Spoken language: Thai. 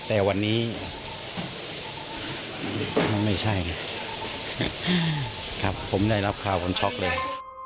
แต่วันนี้มันไม่ใช่ครับผมได้รับข่าวผมช็อกเลย